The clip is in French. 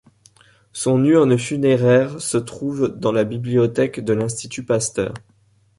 Son urne funéraire se trouve dans la bibliothèque de l'institut Pasteur.